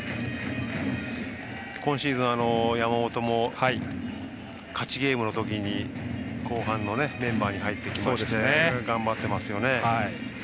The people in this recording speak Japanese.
今シーズン、山本も勝ちゲームのときに後半のメンバーに入ってきて頑張ってますよね。